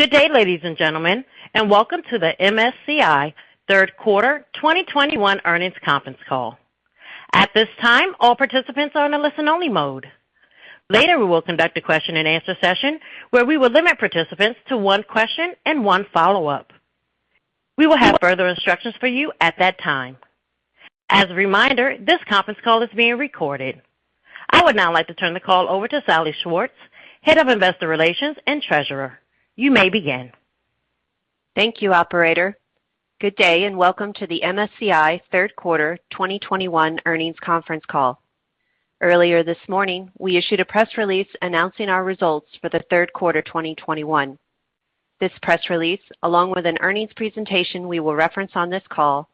Good day, ladies and gentlemen, and welcome to the MSCI Third Quarter 2021 Earnings Conference Call. At this time, all participants are in a listen-only mode. Later, we will conduct a question-and-answer session where we will limit participants to one question and one follow-up. We will have further instructions for you at that time. As a reminder, this conference call is being recorded. I would now like to turn the call over to Salli Schwartz, Head of Investor Relations and Treasurer. You may begin. Thank you, operator. Good day, and welcome to the MSCI Third Quarter 2021 Earnings Conference Call. Earlier this morning, we issued a press release announcing our results for the third quarter 2021. This press release, along with an earnings presentation we will reference on this call,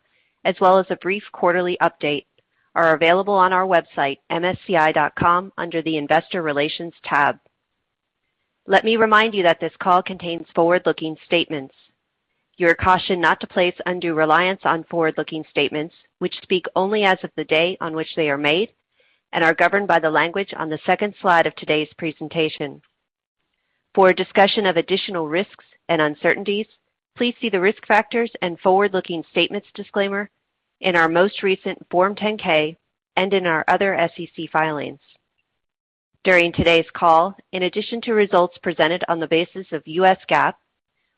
as well as a brief quarterly update, are available on our website, msci.com, under the Investor Relations tab. Let me remind you that this call contains forward-looking statements. You are cautioned not to place undue reliance on forward-looking statements, which speak only as of the day on which they are made and are governed by the language on the second slide of today's presentation. For a discussion of additional risks and uncertainties, please see the Risk Factors and Forward-Looking Statements disclaimer in our most recent Form 10-K and in our other SEC filings. During today's call, in addition to results presented on the basis of U.S. GAAP,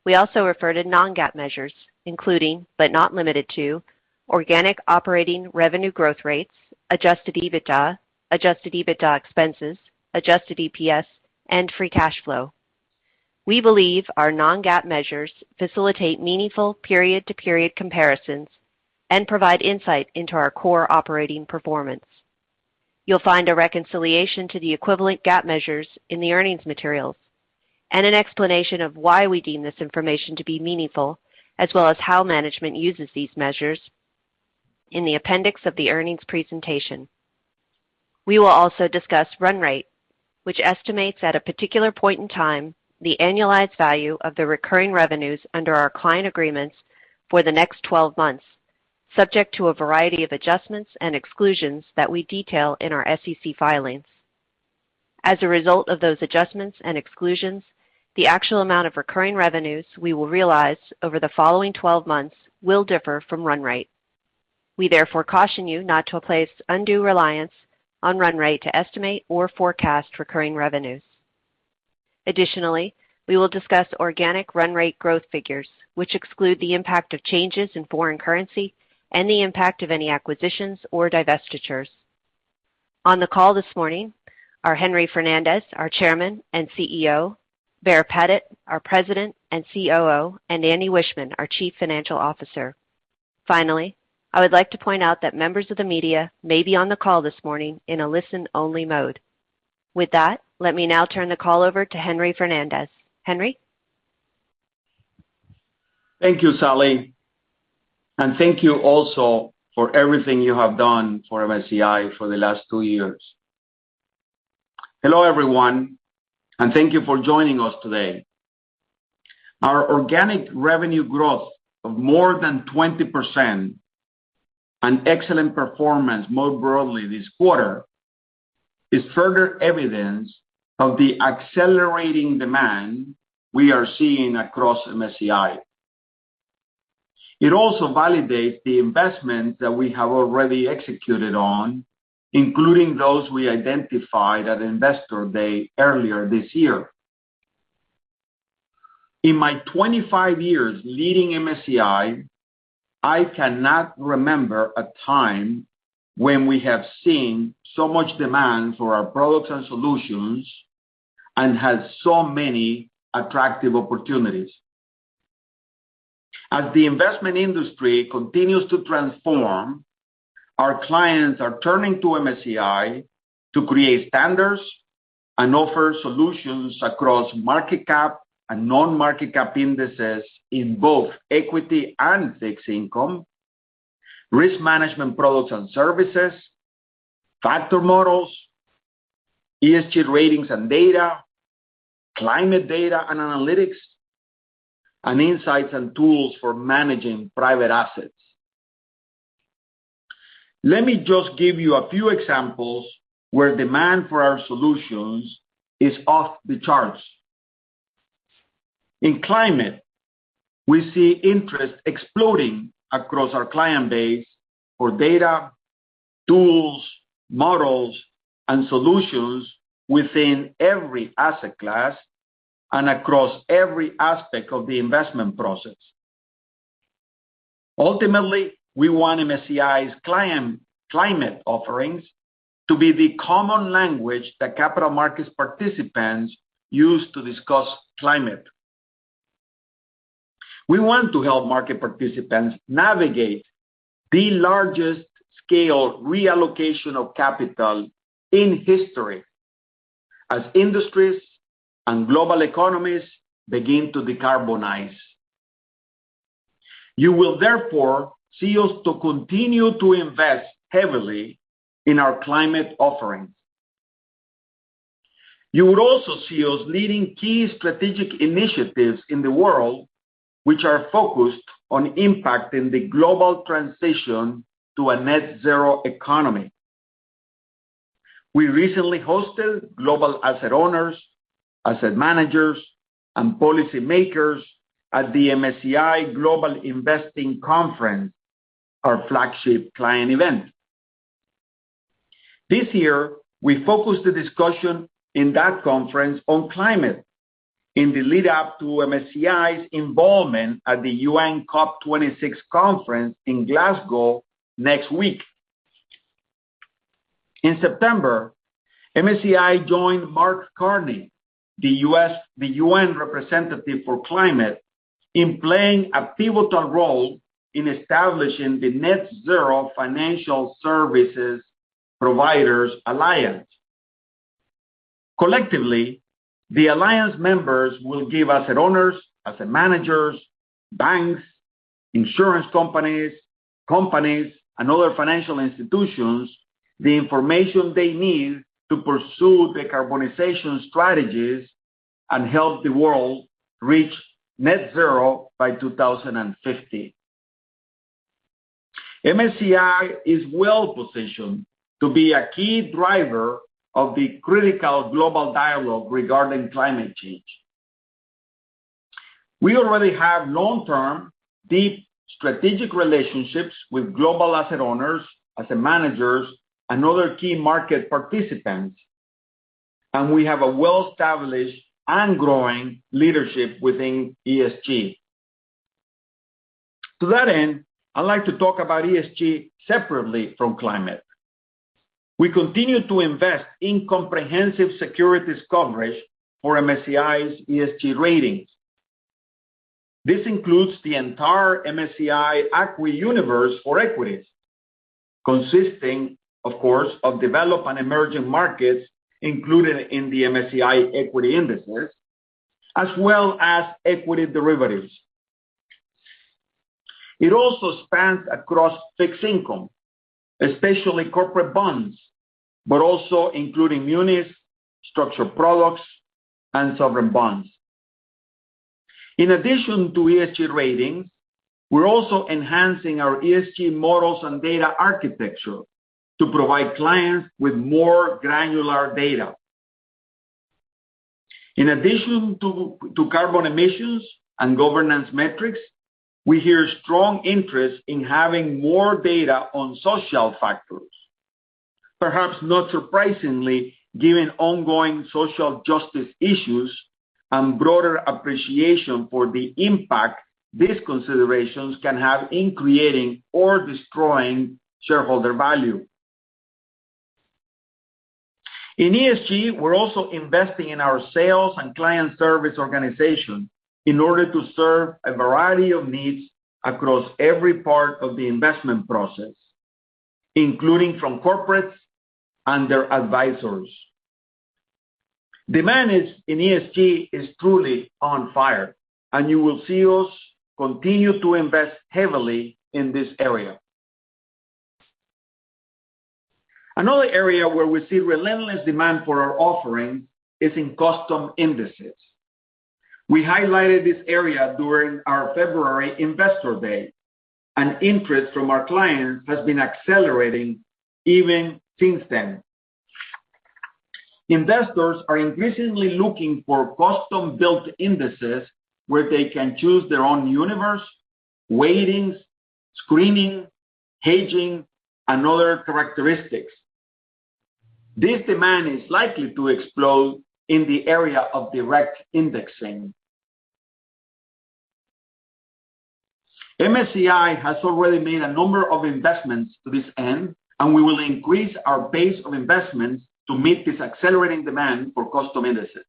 we also refer to non-GAAP measures, including, but not limited to organic operating revenue growth rates, adjusted EBITDA, adjusted EBITDA expenses, adjusted EPS, and free cash flow. We believe our non-GAAP measures facilitate meaningful period-to-period comparisons and provide insight into our core operating performance. You'll find a reconciliation to the equivalent U.S. GAAP measures in the earnings materials and an explanation of why we deem this information to be meaningful, as well as how management uses these measures in the appendix of the earnings presentation. We will also discuss run rate, which estimates at a particular point in time the annualized value of the recurring revenues under our client agreements for the next twelve months, subject to a variety of adjustments and exclusions that we detail in our SEC filings. As a result of those adjustments and exclusions, the actual amount of recurring revenues we will realize over the following twelve months will differ from run rate. We therefore caution you not to place undue reliance on run rate to estimate or forecast recurring revenues. Additionally, we will discuss organic run rate growth figures, which exclude the impact of changes in foreign currency and the impact of any acquisitions or divestitures. On the call this morning are Henry Fernandez, our Chairman and CEO, Baer Pettit, our President and COO, and Andy Wiechmann, our Chief Financial Officer. Finally, I would like to point out that members of the media may be on the call this morning in a listen-only mode. With that, let me now turn the call over to Henry Fernandez. Henry. Thank you, Salli, and thank you also for everything you have done for MSCI for the last two years. Hello, everyone, and thank you for joining us today. Our organic revenue growth of more than 20% and excellent performance more broadly this quarter is further evidence of the accelerating demand we are seeing across MSCI. It also validates the investment that we have already executed on, including those we identified at Investor Day earlier this year. In my 25 years leading MSCI, I cannot remember a time when we have seen so much demand for our products and solutions and had so many attractive opportunities. As the investment industry continues to transform, our clients are turning to MSCI to create standards and offer solutions across market cap and non-market cap indices in both equity and fixed income, risk management products and services, factor models, ESG ratings and data, climate data and analytics, and insights and tools for managing private assets. Let me just give you a few examples where demand for our solutions is off the charts. In climate, we see interest exploding across our client base for data, tools, models, and solutions within every asset class and across every aspect of the investment process. Ultimately, we want MSCI's climate offerings to be the common language that capital markets participants use to discuss climate. We want to help market participants navigate the largest scale reallocation of capital in history as industries and global economies begin to decarbonize. You will therefore see us continue to invest heavily in our climate offerings. You will also see us leading key strategic initiatives in the world which are focused on impacting the global transition to a net zero economy. We recently hosted global asset owners, asset managers, and policymakers at the MSCI Global Investing Conference, our flagship client event. This year, we focused the discussion in that conference on climate in the lead up to MSCI's involvement at the UN COP26 conference in Glasgow next week. In September, MSCI joined Mark Carney, the UN representative for climate, in playing a pivotal role in establishing the Net-Zero Financial Service Providers Alliance. Collectively, the alliance members will give asset owners, asset managers, banks, insurance companies, and other financial institutions the information they need to pursue the decarbonization strategies and help the world reach net zero by 2050. MSCI is well-positioned to be a key driver of the critical global dialogue regarding climate change. We already have long-term, deep strategic relationships with global asset owners, asset managers, and other key market participants, and we have a well-established and growing leadership within ESG. To that end, I'd like to talk about ESG separately from climate. We continue to invest in comprehensive securities coverage for MSCI's ESG ratings. This includes the entire MSCI ACWI universe for equities, consisting, of course, of developed and emerging markets included in the MSCI equity indices, as well as equity derivatives. It also spans across fixed income, especially corporate bonds, but also including munis, structured products, and sovereign bonds. In addition to ESG ratings, we're also enhancing our ESG models and data architecture to provide clients with more granular data. In addition to carbon emissions and governance metrics, we hear strong interest in having more data on social factors. Perhaps not surprisingly, given ongoing social justice issues and broader appreciation for the impact these considerations can have in creating or destroying shareholder value. In ESG, we're also investing in our sales and client service organization in order to serve a variety of needs across every part of the investment process, including from corporates and their advisors. Demand in ESG is truly on fire, and you will see us continue to invest heavily in this area. Another area where we see relentless demand for our offering is in custom indexes. We highlighted this area during our February Investor Day, and interest from our clients has been accelerating ever since then. Investors are increasingly looking for custom-built indexes where they can choose their own universe, weightings, screening, hedging, and other characteristics. This demand is likely to explode in the area of direct indexing. MSCI has already made a number of investments to this end, and we will increase our base of investments to meet this accelerating demand for custom indexes.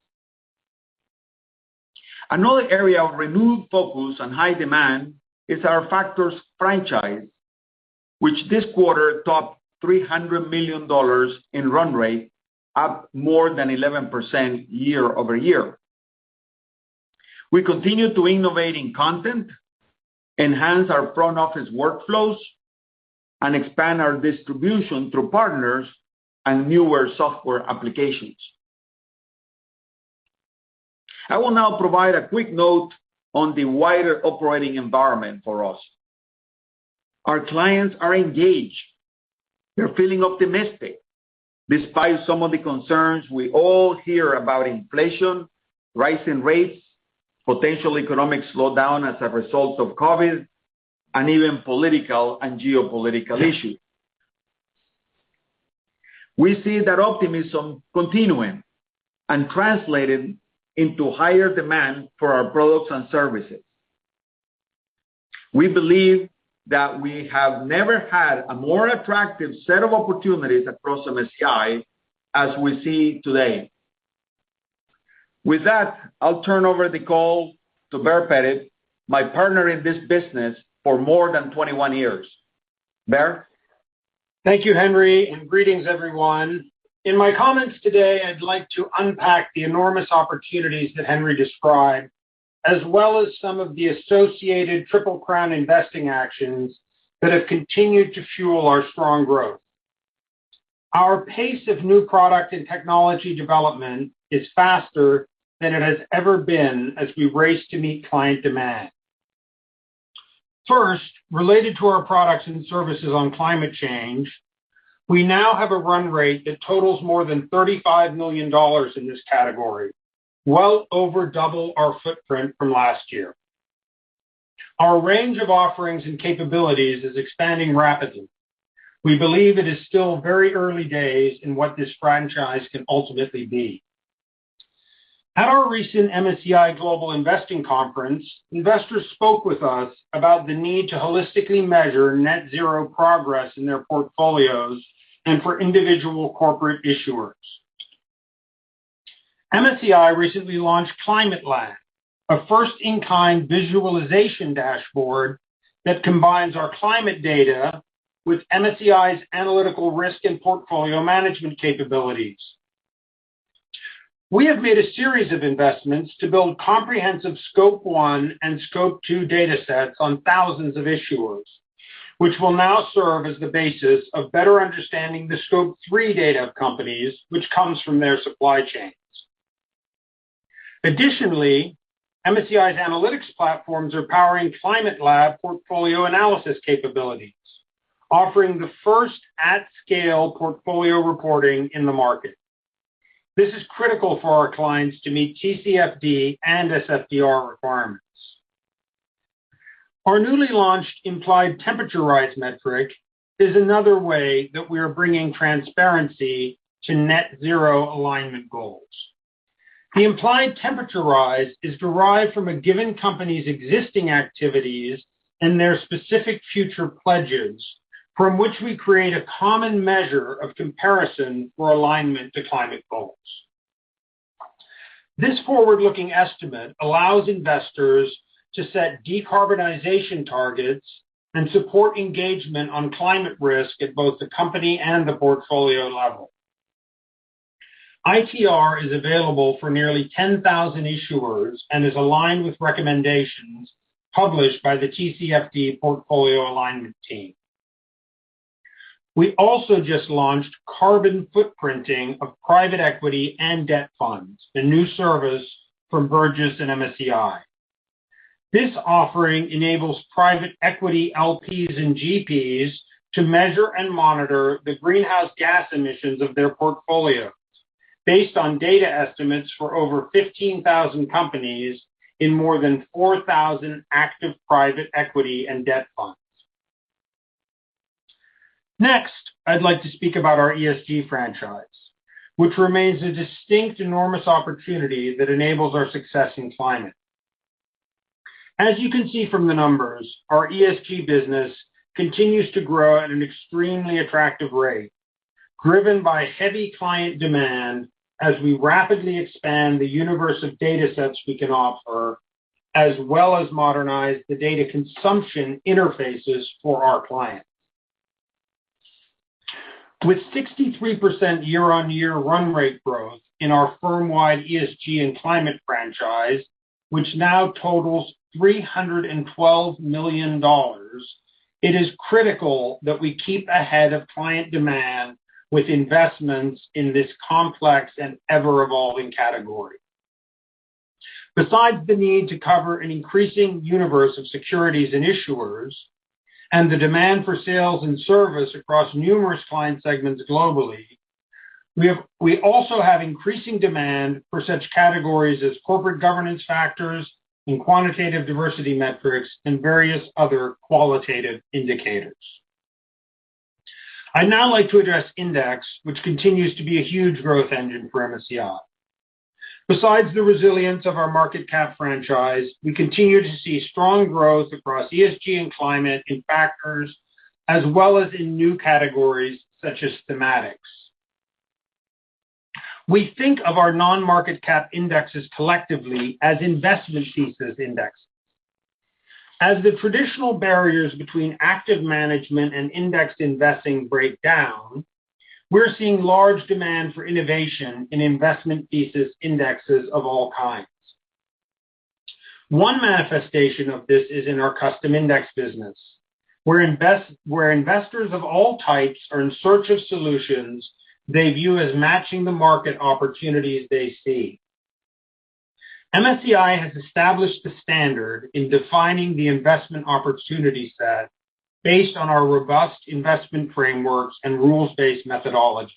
Another area of renewed focus and high demand is our factors franchise, which this quarter topped $300 million in run rate, up more than 11% year-over-year. We continue to innovate in content, enhance our front office workflows, and expand our distribution through partners and newer software applications. I will now provide a quick note on the wider operating environment for us. Our clients are engaged. They're feeling optimistic, despite some of the concerns we all hear about inflation, rising rates, potential economic slowdown as a result of COVID, and even political and geopolitical issues. We see that optimism continuing and translated into higher demand for our products and services. We believe that we have never had a more attractive set of opportunities across MSCI as we see today. With that, I'll turn over the call to Baer Pettit, my partner in this business for more than 21 years. Baer? Thank you, Henry, and greetings, everyone. In my comments today, I'd like to unpack the enormous opportunities that Henry described, as well as some of the associated Triple Crown investing actions that have continued to fuel our strong growth. Our pace of new product and technology development is faster than it has ever been as we race to meet client demand. First, related to our products and services on climate change, we now have a run rate that totals more than $35 million in this category, well over double our footprint from last year. Our range of offerings and capabilities is expanding rapidly. We believe it is still very early days in what this franchise can ultimately be. At our recent MSCI Global Investing Conference, investors spoke with us about the need to holistically measure net zero progress in their portfolios and for individual corporate issuers. MSCI recently launched Climate Lab, a first-of-its-kind visualization dashboard that combines our climate data with MSCI's analytical risk and portfolio management capabilities. We have made a series of investments to build comprehensive Scope 1 and Scope 2 datasets on thousands of issuers, which will now serve as the basis of better understanding the Scope 3 data of companies, which comes from their supply chains. Additionally, MSCI's analytics platforms are powering Climate Lab portfolio analysis capabilities, offering the first at-scale portfolio reporting in the market. This is critical for our clients to meet TCFD and SFDR requirements. Our newly launched Implied Temperature Rise metric is another way that we are bringing transparency to net zero alignment goals. The Implied Temperature Rise is derived from a given company's existing activities and their specific future pledges, from which we create a common measure of comparison for alignment to climate goals. This forward-looking estimate allows investors to set decarbonization targets and support engagement on climate risk at both the company and the portfolio level. ITR is available for nearly 10,000 issuers and is aligned with recommendations published by the TCFD Portfolio Alignment team. We also just launched carbon foot printing of private equity and debt funds, a new service from Burgiss and MSCI. This offering enables private equity LPs and GPs to measure and monitor the greenhouse gas emissions of their portfolios based on data estimates for over 15,000 companies in more than 4,000 active private equity and debt funds. Next, I'd like to speak about our ESG franchise, which remains a distinct, enormous opportunity that enables our success in climate. As you can see from the numbers, our ESG business continues to grow at an extremely attractive rate, driven by heavy client demand as we rapidly expand the universe of datasets we can offer, as well as modernize the data consumption interfaces for our clients. With 63% year-on-year run rate growth in our firm-wide ESG and climate franchise, which now totals $312 million, it is critical that we keep ahead of client demand with investments in this complex and ever-evolving category. Besides the need to cover an increasing universe of securities and issuers and the demand for sales and service across numerous client segments globally, we also have increasing demand for such categories as corporate governance factors and quantitative diversity metrics and various other qualitative indicators. I'd now like to address Index, which continues to be a huge growth engine for MSCI. Besides the resilience of our market cap franchise, we continue to see strong growth across ESG and climate in factors as well as in new categories such as thematics. We think of our non-market cap indexes collectively as investment thesis indexes. As the traditional barriers between active management and index investing break down, we're seeing large demand for innovation in investment thesis indexes of all kinds. One manifestation of this is in our custom index business, where investors of all types are in search of solutions they view as matching the market opportunities they see. MSCI has established the standard in defining the investment opportunity set based on our robust investment frameworks and rules-based methodologies.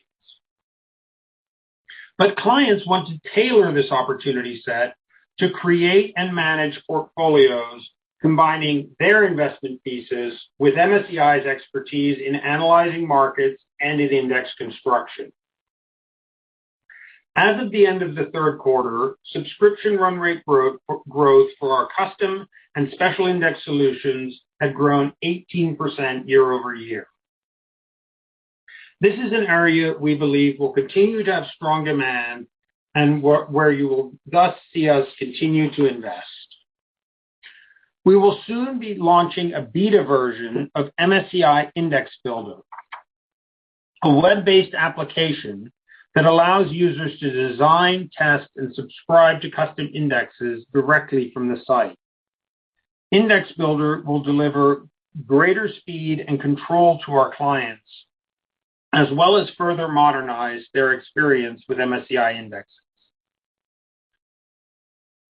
Clients want to tailor this opportunity set to create and manage portfolios, combining their investment thesis with MSCI's expertise in analysing markets and in index construction. As of the end of the third quarter, subscription run rate growth for our custom and special index solutions had grown 18% year-over-year. This is an area we believe will continue to have strong demand and where you will thus see us continue to invest. We will soon be launching a beta version of MSCI Index Builder, a web-based application that allows users to design, test, and subscribe to custom indexes directly from the site. Index Builder will deliver greater speed and control to our clients, as well as further modernize their experience with MSCI indexes.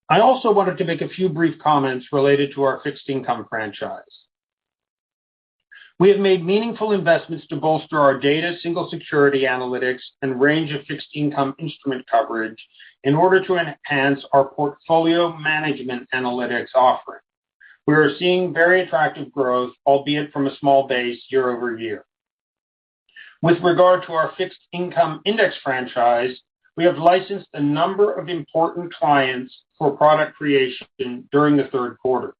I also wanted to make a few brief comments related to our fixed income franchise. We have made meaningful investments to bolster our data single security analytics and range of fixed income instrument coverage in order to enhance our portfolio management analytics offering. We are seeing very attractive growth, albeit from a small base year-over-year. With regard to our fixed income index franchise, we have licensed a number of important clients for product creation during the third quarter.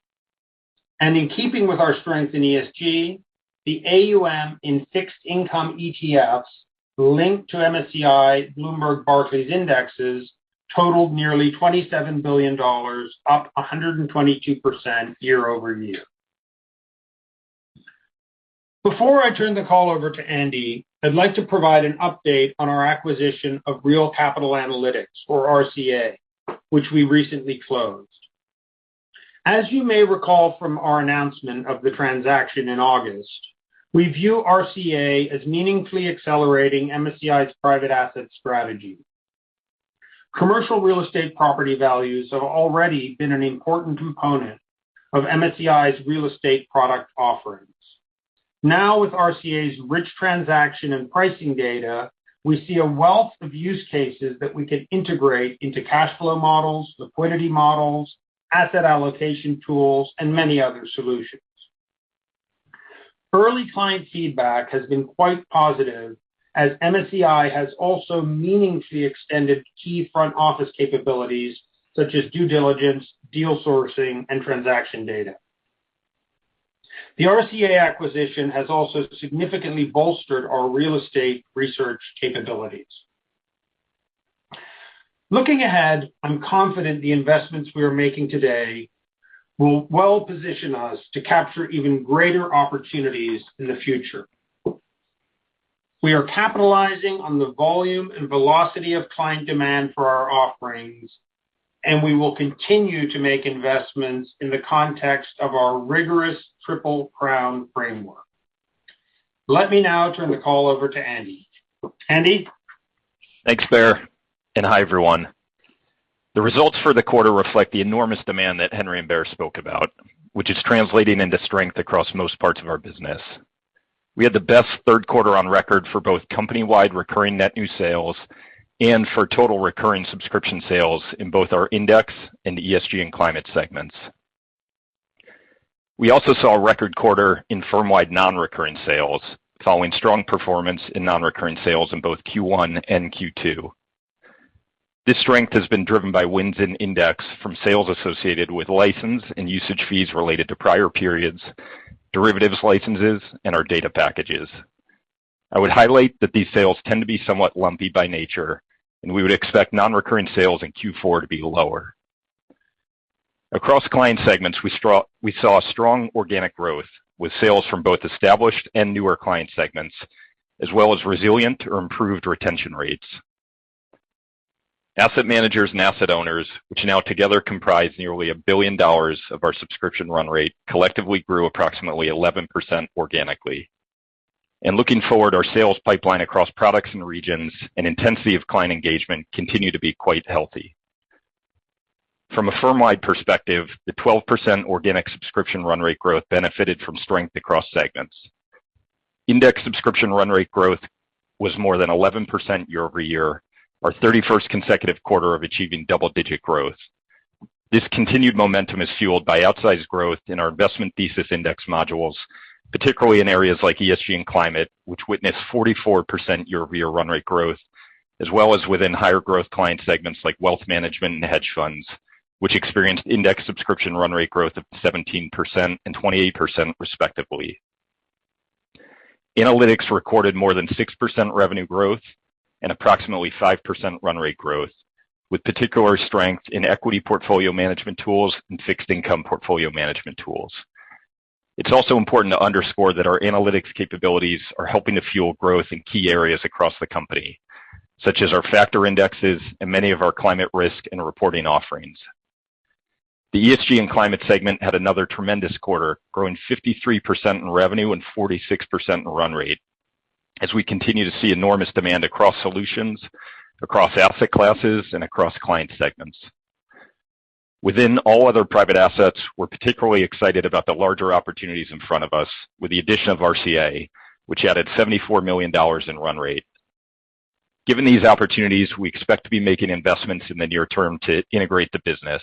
In keeping with our strength in ESG, the AUM in fixed income ETFs linked to Bloomberg Barclays MSCI indexes totalled nearly $27 billion, up 122% year-over-year. Before I turn the call over to Andy, I'd like to provide an update on our acquisition of Real Capital Analytics (RCA), which we recently closed. As you may recall from our announcement of the transaction in August, we view RCA as meaningfully accelerating MSCI's private asset strategy. Commercial real estate property values have already been an important component of MSCI's real estate product offerings. Now, with RCA's rich transaction and pricing data, we see a wealth of use cases that we can integrate into cash flow models, liquidity models, asset allocation tools, and many other solutions. Early client feedback has been quite positive, as MSCI has also meaningfully extended key front office capabilities such as due diligence, deal sourcing, and transaction data. The RCA acquisition has also significantly bolstered our real estate research capabilities. Looking ahead, I'm confident the investments we are making today will well-position us to capture even greater opportunities in the future. We are capitalizing on the volume and velocity of client demand for our offerings, and we will continue to make investments in the context of our rigorous Triple Crown framework. Let me now turn the call over to Andy. Andy. Thanks, Baer, and hi, everyone. The results for the quarter reflect the enormous demand that Henry and Baer spoke about, which is translating into strength across most parts of our business. We had the best third quarter on record for both company-wide recurring net new sales and for total recurring subscription sales in both our Index and ESG & Climate segments. We also saw a record quarter in firm-wide non-recurring sales, following strong performance in non-recurring sales in both Q1 and Q2. This strength has been driven by wins in Index from sales associated with license and usage fees related to prior periods, derivatives licenses, and our data packages. I would highlight that these sales tend to be somewhat lumpy by nature, and we would expect non-recurring sales in Q4 to be lower. Across client segments, we saw strong organic growth, with sales from both established and newer client segments, as well as resilient or improved retention rates. Asset managers and asset owners, which now together comprise nearly $1 billion of our subscription run rate, collectively grew approximately 11% organically. Looking forward, our sales pipeline across products and regions and intensity of client engagement continue to be quite healthy. From a firm-wide perspective, the 12% organic subscription run rate growth benefited from strength across segments. Index subscription run rate growth was more than 11% year-over-year, our 31st consecutive quarter of achieving double-digit growth. This continued momentum is fueled by outsized growth in our investment thesis index modules, particularly in areas like ESG and climate, which witnessed 44% year-over-year run rate growth, as well as within higher growth client segments like wealth management and hedge funds, which experienced index subscription run rate growth of 17% and 28% respectively. Analytics recorded more than 6% revenue growth and approximately 5% run rate growth, with particular strength in equity portfolio management tools and fixed income portfolio management tools. It's also important to underscore that our analytics capabilities are helping to fuel growth in key areas across the company, such as our factor indexes and many of our climate risk and reporting offerings. The ESG and Climate segment had another tremendous quarter, growing 53% in revenue and 46% in run rate as we continue to see enormous demand across solutions, across asset classes, and across client segments. Within all other private assets, we're particularly excited about the larger opportunities in front of us with the addition of RCA, which added $74 million in run rate. Given these opportunities, we expect to be making investments in the near-term to integrate the business.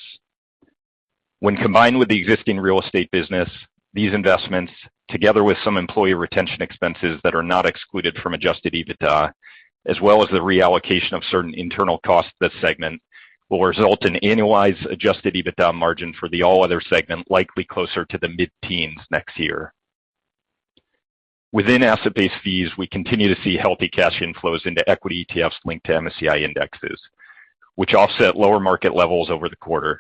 When combined with the existing real estate business, these investments, together with some employee retention expenses that are not excluded from adjusted EBITDA, as well as the reallocation of certain internal costs to the segment, will result in annualized adjusted EBITDA margin for the all other segment likely closer to the mid-teens next year. Within asset-based fees, we continue to see healthy cash inflows into equity ETFs linked to MSCI indexes, which offset lower market levels over the quarter.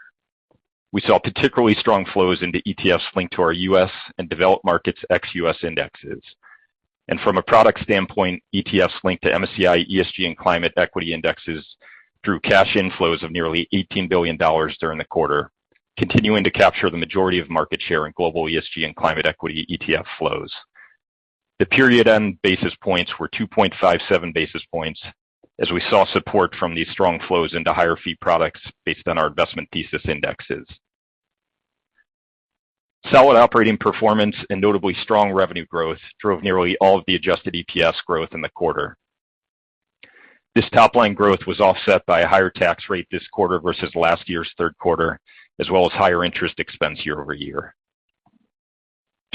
We saw particularly strong flows into ETFs linked to our U.S. and developed markets ex-U.S. indexes. From a product standpoint, ETFs linked to MSCI ESG and climate equity indexes drew cash inflows of nearly $18 billion during the quarter, continuing to capture the majority of market share in global ESG and climate equity ETF flows. The period-end basis points were 2.57 basis points as we saw support from these strong flows into higher fee products based on our investment thesis indexes. Solid operating performance and notably strong revenue growth drove nearly all of the adjusted EPS growth in the quarter. This top line growth was offset by a higher tax rate this quarter versus last year's third quarter, as well as higher interest expense year-over-year.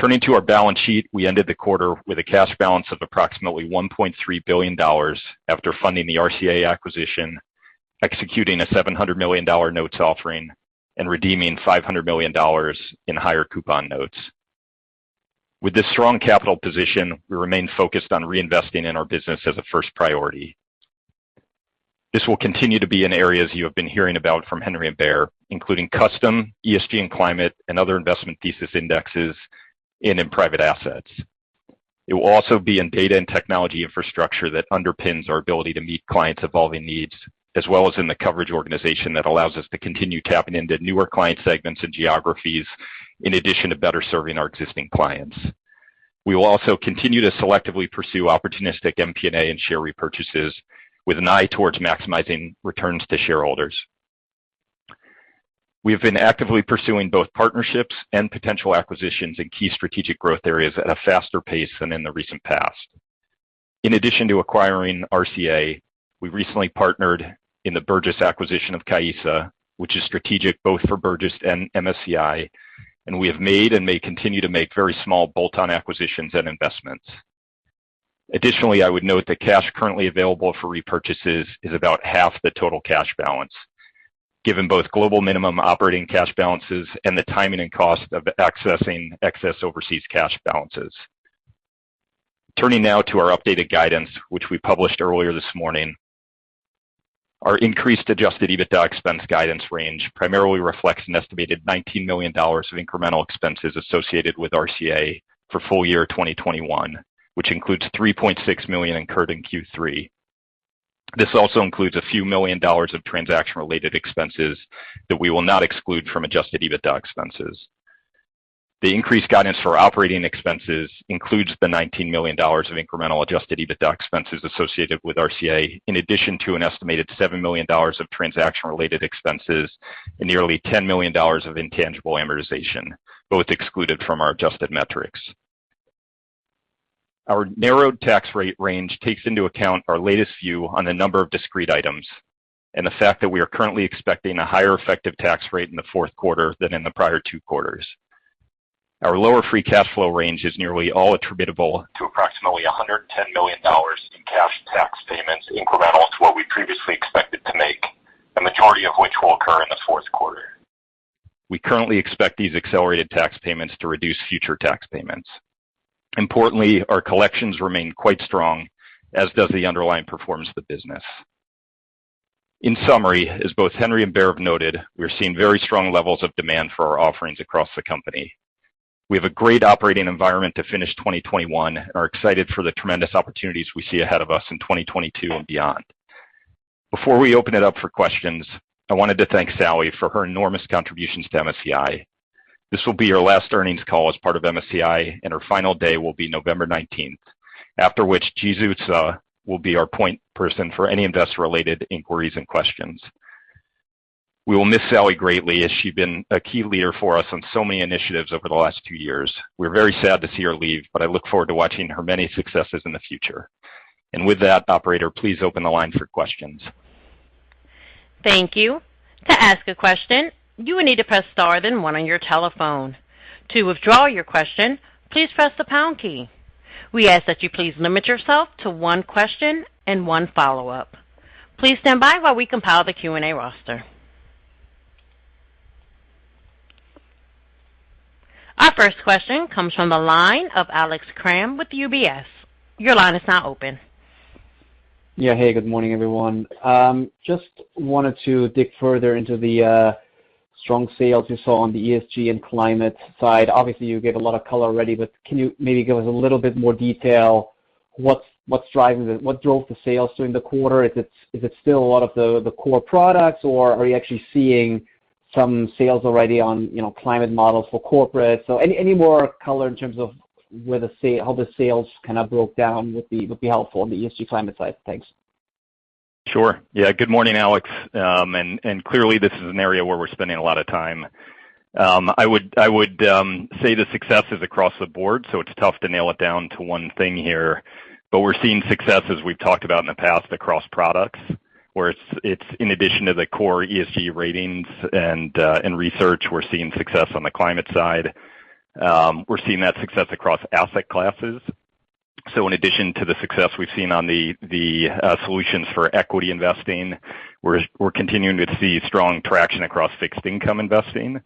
Turning to our balance sheet, we ended the quarter with a cash balance of approximately $1.3 billion after funding the RCA acquisition, executing a $700 million notes offering, and redeeming $500 million in higher coupon notes. With this strong capital position, we remain focused on reinvesting in our business as a first priority. This will continue to be in areas you have been hearing about from Henry and Baer, including custom, ESG and climate and other investment thesis indexes in private assets. It will also be in data and technology infrastructure that underpins our ability to meet clients' evolving needs, as well as in the coverage organization that allows us to continue tapping into newer client segments and geographies, in addition to better serving our existing clients. We will also continue to selectively pursue opportunistic M&A and share repurchases with an eye towards maximizing returns to shareholders. We have been actively pursuing both partnerships and potential acquisitions in key strategic growth areas at a faster pace than in the recent past. In addition to acquiring RCA, we recently partnered in the Burgiss acquisition of Caissa, which is strategic both for Burgiss and MSCI, and we have made and may continue to make very small bolt-on acquisitions and investments. Additionally, I would note that cash currently available for repurchases is about half the total cash balance, given both global minimum operating cash balances and the timing and cost of accessing excess overseas cash balances. Turning now to our updated guidance, which we published earlier this morning. Our increased adjusted EBITDA expense guidance range primarily reflects an estimated $19 million of incremental expenses associated with RCA for full year 2021, which includes $3.6 million incurred in Q3. This also includes a few $ million of transaction-related expenses that we will not exclude from adjusted EBITDA expenses. The increased guidance for operating expenses includes the $19 million of incremental adjusted EBITDA expenses associated with RCA, in addition to an estimated $7 million of transaction-related expenses and nearly $10 million of intangible amortization, both excluded from our adjusted metrics. Our narrowed tax rate range takes into account our latest view on a number of discrete items and the fact that we are currently expecting a higher effective tax rate in the fourth quarter than in the prior two quarters. Our lower free cash flow range is nearly all attributable to approximately $110 million in cash tax payments incremental to what we previously expected to make, the majority of which will occur in the fourth quarter. We currently expect these accelerated tax payments to reduce future tax payments. Importantly, our collections remain quite strong, as does the underlying performance of the business. In summary, as both Henry and Baer have noted, we're seeing very strong levels of demand for our offerings across the company. We have a great operating environment to finish 2021 and are excited for the tremendous opportunities we see ahead of us in 2022 and beyond. Before we open it up for questions, I wanted to thank Salli for her enormous contributions to MSCI. This will be her last earnings call as part of MSCI, and her final day will be November 19, after which Jeremy Ulan will be our point person for any investor-related inquiries and questions. We will miss Salli greatly, as she's been a key leader for us on so many initiatives over the last two years. We're very sad to see her leave, but I look forward to watching her many successes in the future. With that, operator, please open the line for questions. Thank you. To ask a question, you will need to press star then 1 on your telephone. To withdraw your question, please press the pound key. We ask that you please limit yourself to one question and one follow-up. Please stand by while we compile the Q&A roster. Our first question comes from the line of Alex Kramm with UBS. Your line is now open. Yeah. Hey, good morning, everyone. Just wanted to dig further into the strong sales you saw on the ESG and climate side. Obviously, you gave a lot of colour already, but can you maybe give us a little bit more detail what's driving the. What drove the sales during the quarter? Is it still a lot of the core products, or are you actually seeing some sales already on, you know, climate models for corporate? So any more colour in terms of where how the sales kinda broke down would be helpful on the ESG climate side. Thanks. Sure. Yeah. Good morning, Alex. Clearly this is an area where we're spending a lot of time. I would say the success is across the board, so it's tough to nail it down to one thing here. We're seeing success, as we've talked about in the past, across products, where it's in addition to the core ESG ratings and research, we're seeing success on the climate side. We're seeing that success across asset classes. In addition to the success we've seen on the solutions for equity investing, we're continuing to see strong traction across fixed income investing,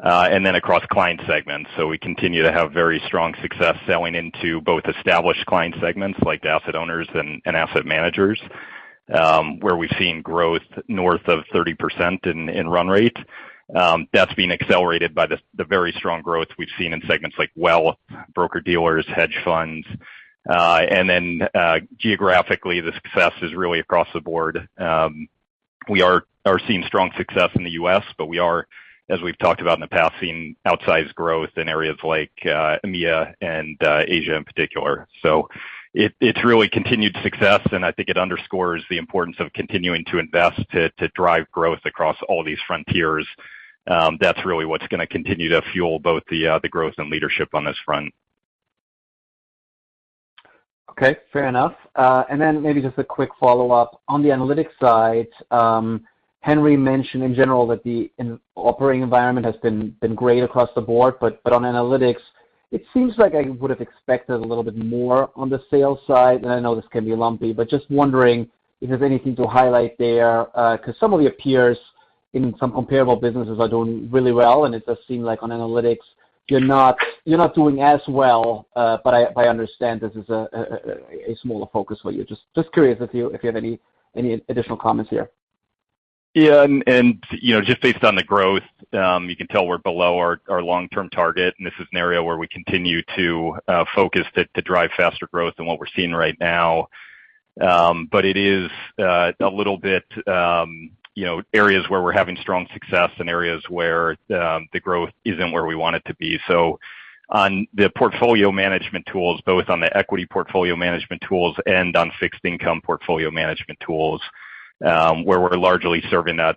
and then across client segments. We continue to have very strong success selling into both established client segments, like asset owners and asset managers, where we've seen growth north of 30% in run rate. That's been accelerated by the very strong growth we've seen in segments like well, broker-dealers, hedge funds. Geographically, the success is really across the board. We are seeing strong success in the U.S., but we are, as we've talked about in the past, seeing outsized growth in areas like EMEA and Asia in particular. It's really continued success, and I think it underscores the importance of continuing to invest to drive growth across all these frontiers. That's really what's gonna continue to fuel both the growth and leadership on this front. Okay, fair enough. Maybe just a quick follow-up. On the analytics side, Henry mentioned in general that the operating environment has been great across the board. On analytics, it seems like I would have expected a little bit more on the sales side, and I know this can be lumpy, but just wondering if there's anything to highlight there, 'cause some of your peers in some comparable businesses are doing really well, and it does seem like on analytics, you're not doing as well. I understand this is a smaller focus for you. Just curious if you have any additional comments here. Yeah. You know, just based on the growth, you can tell we're below our long-term target, and this is an area where we continue to focus to drive faster growth than what we're seeing right now. It is a little bit, you know, areas where we're having strong success and areas where the growth isn't where we want it to be. On the portfolio management tools, both on the equity portfolio management tools and on fixed income portfolio management tools, where we're largely serving that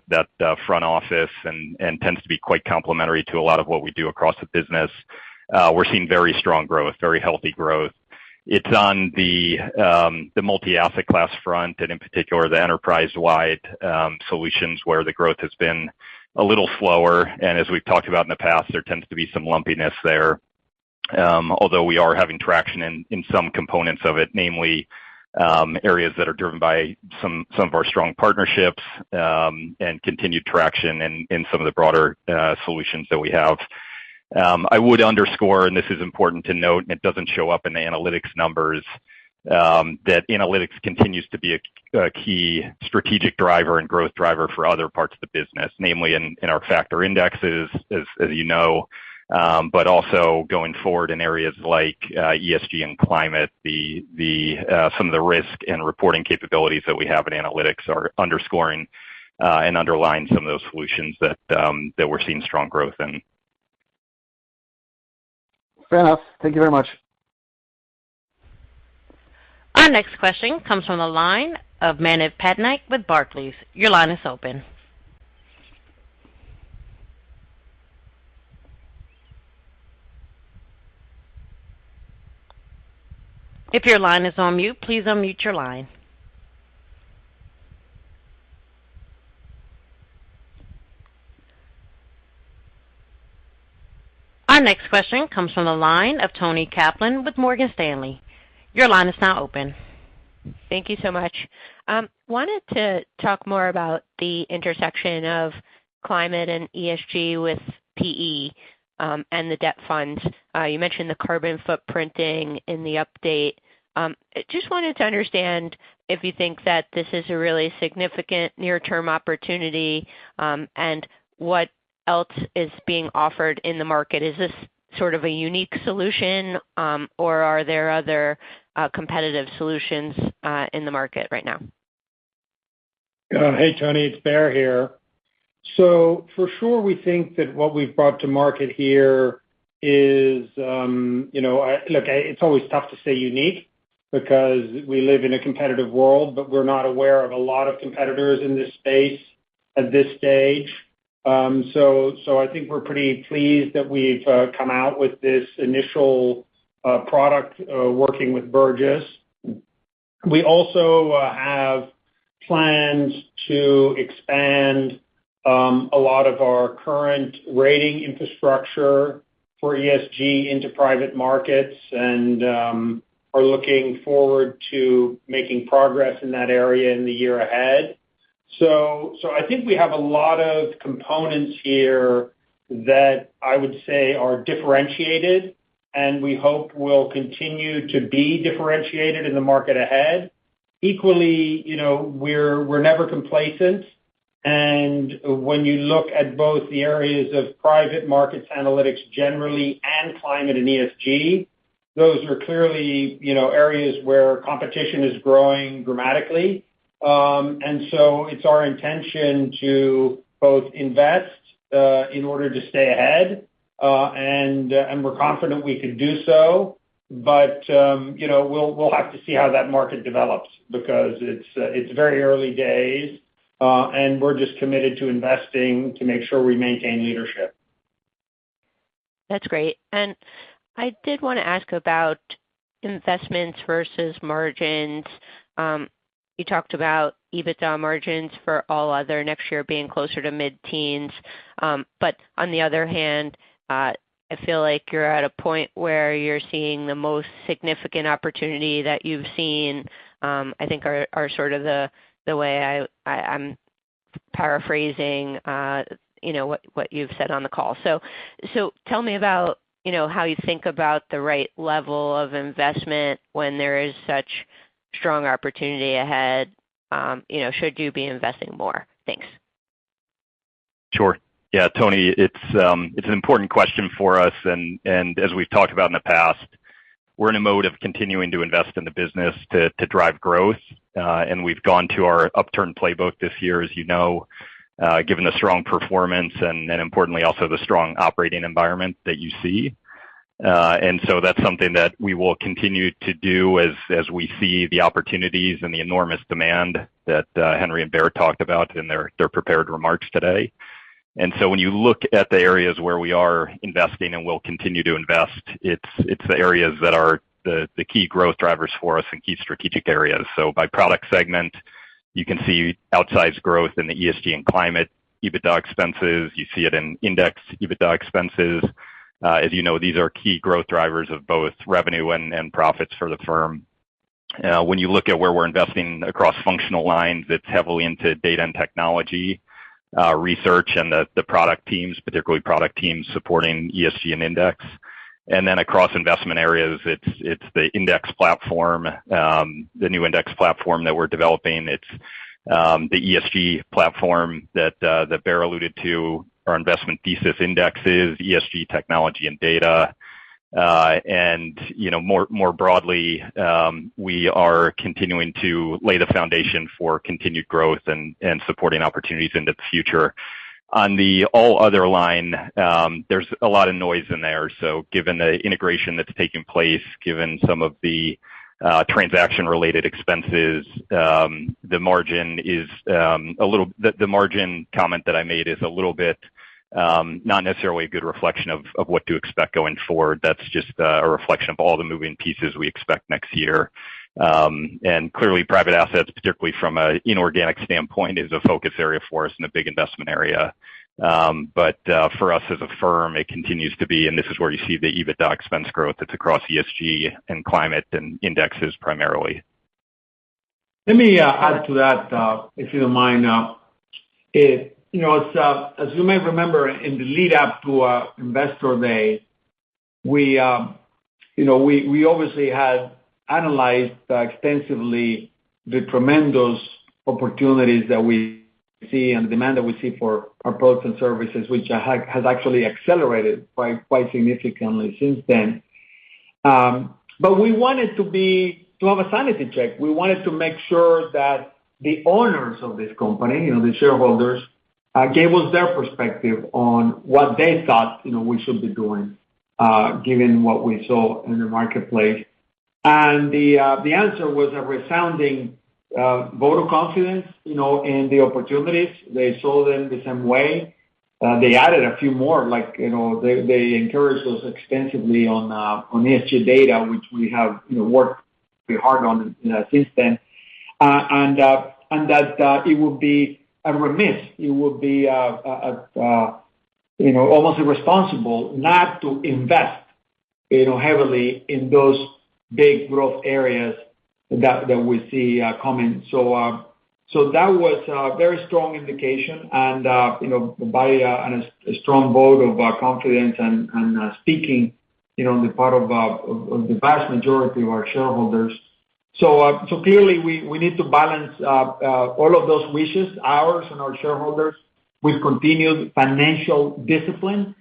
front office and tends to be quite complementary to a lot of what we do across the business, we're seeing very strong growth, very healthy growth. It's on the multi-asset class front and in particular the enterprise-wide solutions where the growth has been a little slower. As we've talked about in the past, there tends to be some lumpiness there. Although we are having traction in some components of it, namely, areas that are driven by some of our strong partnerships, and continued traction in some of the broader solutions that we have. I would underscore, and this is important to note, that it doesn't show up in the analytics numbers, that analytics continues to be a key strategic driver and growth driver for other parts of the business, namely in our factor indexes, as you know, but also going forward in areas like ESG and climate, some of the risk and reporting capabilities that we have in analytics are underscoring and underlying some of those solutions that we're seeing strong growth in. Fair enough. Thank you very much. Our next question comes from the line of Manav Patnaik with Barclays. Your line is open. If your line is on mute, please unmute your line. Our next question comes from the line of Toni Kaplan with Morgan Stanley. Your line is now open. Thank you so much. I wanted to talk more about the intersection of climate and ESG with PE, and the debt funds. You mentioned the carbon foot printing in the update. I just wanted to understand if you think that this is a really significant near-term opportunity, and what else is being offered in the market. Is this sort of a unique solution, or are there other, competitive solutions, in the market right now? Hey, Toni, it's Baer here. For sure we think that what we've brought to market here is, you know. Look, it's always tough to say unique because we live in a competitive world, but we're not aware of a lot of competitors in this space at this stage. I think we're pretty pleased that we've come out with this initial product, working with Burgiss. We also have plans to expand a lot of our current rating infrastructure for ESG into private markets, and are looking forward to making progress in that area in the year ahead. I think we have a lot of components here that I would say are differentiated and we hope will continue to be differentiated in the market ahead. Equally, you know, we're never complacent. When you look at both the areas of private markets analytics generally and climate and ESG, those are clearly, you know, areas where competition is growing dramatically. It's our intention to both invest in order to stay ahead, and we're confident we can do so. You know, we'll have to see how that market develops because it's very early days, and we're just committed to investing to make sure we maintain leadership. That's great. I did wanna ask about investments versus margins. You talked about EBITDA margins for All Other next year being closer to mid-teens. But on the other hand, I feel like you're at a point where you're seeing the most significant opportunity that you've seen. I think are sort of the way I'm paraphrasing, you know, what you've said on the call. Tell me about, you know, how you think about the right level of investment when there is such strong opportunity ahead. You know, should you be investing more? Thanks. Sure. Yeah, Toni, it's an important question for us, and as we've talked about in the past, we're in a mode of continuing to invest in the business to drive growth. We've gone to our upturn playbook this year, as you know, given the strong performance and importantly, also the strong operating environment that you see. That's something that we will continue to do as we see the opportunities and the enormous demand that Henry and Baer talked about in their prepared remarks today. When you look at the areas where we are investing and will continue to invest, it's the areas that are the key growth drivers for us and key strategic areas. By product segment, you can see outsized growth in the ESG and climate EBITDA expenses. You see it in index EBITDA expenses. As you know, these are key growth drivers of both revenue and profits for the firm. When you look at where we're investing across functional lines, it's heavily into data and technology, research, and the product teams, particularly product teams supporting ESG and index. Across investment areas, it's the index platform, the new index platform that we're developing. It's the ESG platform that Baer alluded to, our investment thesis indexes, ESG technology and data. You know, more broadly, we are continuing to lay the foundation for continued growth and supporting opportunities into the future. On the all other line, there's a lot of noise in there. Given the integration that's taking place, given some of the transaction-related expenses, the margin comment that I made is a little bit not necessarily a good reflection of what to expect going forward. That's just a reflection of all the moving pieces we expect next year. Clearly, private assets, particularly from an inorganic standpoint, is a focus area for us and a big investment area. For us as a firm, it continues to be, and this is where you see the EBITDA expense growth that's across ESG and climate and indexes primarily. Let me add to that, if you don't mind. You know, as you may remember in the lead up to Investor Day, we obviously had analysed extensively the tremendous opportunities that we see and the demand that we see for our products and services, which has actually accelerated quite significantly since then. We wanted to have a sanity check. We wanted to make sure that the owners of this company, you know, the shareholders, gave us their perspective on what they thought, you know, we should be doing, given what we saw in the marketplace. The answer was a resounding vote of confidence, you know, in the opportunities. They saw them the same way. They added a few more, like, you know, they encouraged us extensively on ESG data, which we have, you know, worked pretty hard on since then. That it would be remiss, you know, almost irresponsible not to invest, you know, heavily in those big growth areas that we see coming. That was a very strong indication and, you know, a strong vote of confidence, speaking, you know, on the part of the vast majority of our shareholders. Clearly we need to balance all of those wishes, ours and our shareholders, with continued financial discipline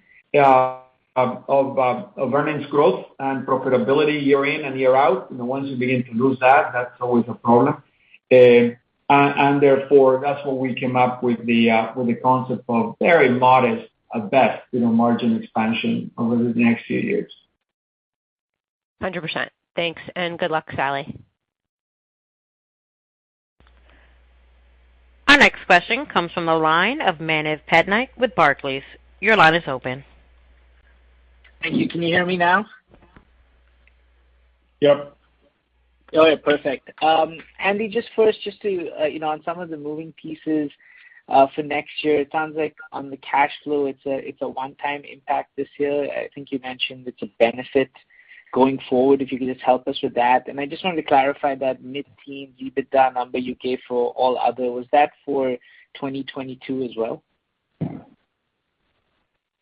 of earnings growth and profitability year in and year out. You know, once you begin to lose that's always a problem. Therefore, that's what we came up with the concept of very modest, at best, you know, margin expansion over the next few years. 100%. Thanks, and good luck, Salli. Our next question comes from the line of Manav Patnaik with Barclays. Your line is open. Thank you. Can you hear me now? Yep. Oh, yeah. Perfect. Andy, just first to, you know, on some of the moving pieces, for next year, it sounds like on the cash flow, it's a one-time impact this year. I think you mentioned it's a benefit going forward, if you could just help us with that. I just wanted to clarify that mid-teen EBITDA number you gave for all other. Was that for 2022 as well?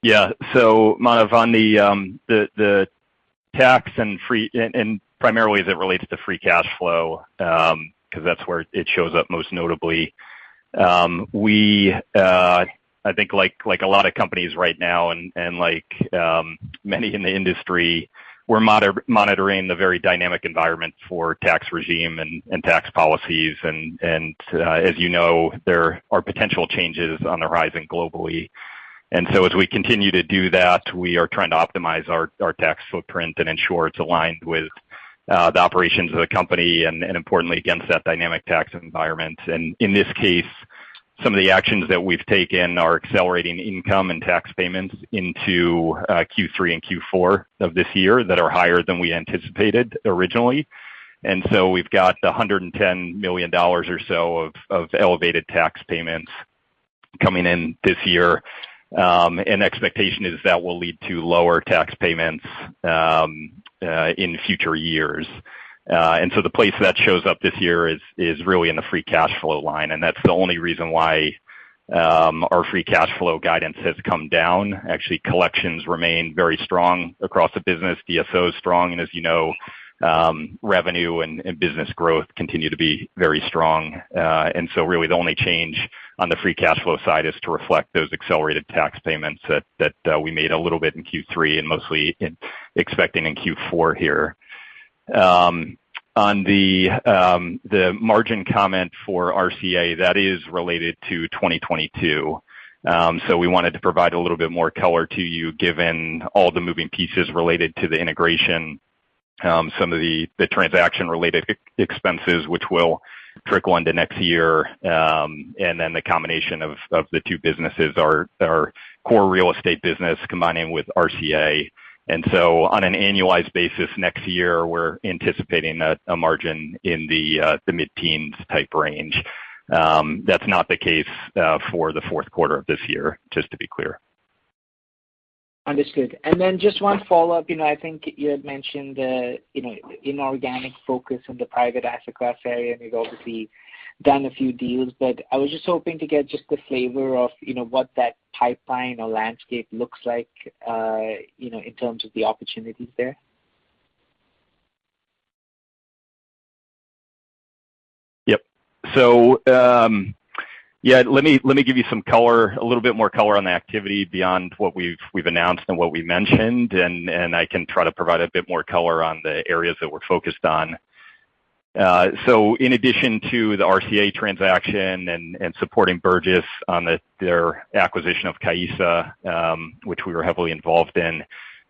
Yeah. Manav, on the tax and, primarily as it relates to free cash flow, 'cause that's where it shows up most notably. I think like a lot of companies right now and like many in the industry, we're monitoring the very dynamic environment for tax regime and tax policies. As you know, there are potential changes on the horizon globally. We continue to do that, we are trying to optimize our tax footprint and ensure it's aligned with the operations of the company and importantly, against that dynamic tax environment. In this case, some of the actions that we've taken are accelerating income and tax payments into Q3 and Q4 of this year that are higher than we anticipated originally. We've got $110 million or so of elevated tax payments coming in this year. The expectation is that it will lead to lower tax payments in future years. The place that shows up this year is really in the free cash flow line, and that's the only reason our free cash flow guidance has come down. Actually, collections remain very strong across the business. DSO is strong and as you know, revenue and business growth continue to be very strong. Really the only change on the free cash flow side is to reflect those accelerated tax payments that we made a little bit in Q3 and mostly expecting in Q4 here. On the margin comment for RCA, that is related to 2022. We wanted to provide a little bit more colour to you given all the moving pieces related to the integration, some of the transaction related expenses which will trickle into next year, and then the combination of the two businesses, our core real estate business combining with RCA. On an annualized basis, next year we're anticipating a margin in the mid-teens% type range. That's not the case for the fourth quarter of this year, just to be clear. Understood. Just one follow-up. You know, I think you had mentioned the, you know, inorganic focus on the private asset class area, and you've obviously done a few deals, but I was just hoping to get just the flavour of, you know, what that pipeline or landscape looks like, you know, in terms of the opportunities there. Yeah, let me give you some colour, a little bit more colour on the activity beyond what we've announced and what we mentioned, and I can try to provide a bit more colour on the areas that we're focused on. In addition to the RCA transaction and supporting Burgiss on their acquisition of Caissa, which we were heavily involved in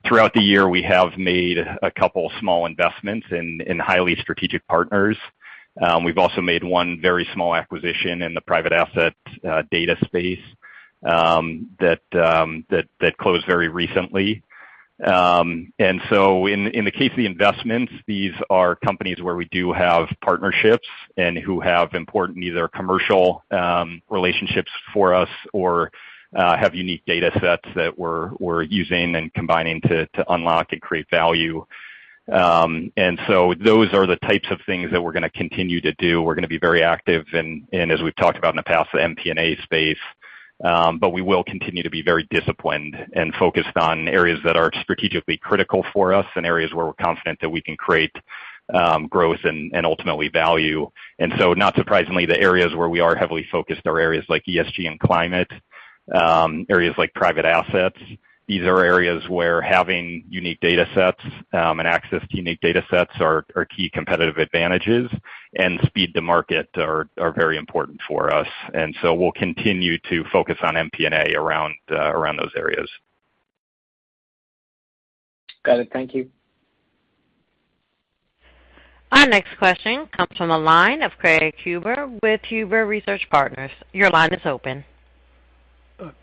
throughout the year, we have made a couple small investments in highly strategic partners. We've also made one very small acquisition in the private asset data space that closed very recently. In the case of the investments, these are companies where we do have partnerships and who have important either commercial relationships for us or have unique data sets that we're using and combining to unlock and create value. Those are the types of things that we're gonna continue to do. We're gonna be very active and as we've talked about in the past, the M&A space, but we will continue to be very disciplined and focused on areas that are strategically critical for us and areas where we're confident that we can create growth and ultimately value. Not surprisingly, the areas where we are heavily focused are areas like ESG and climate, areas like private assets. These are areas where having unique data sets, and access to unique data sets are key competitive advantages, and speed to market are very important for us. We'll continue to focus on M&A around those areas. Got it. Thank you. Our next question comes from the line of Craig Huber with Huber Research Partners. Your line is open.